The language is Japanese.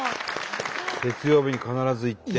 月曜日に必ず行って。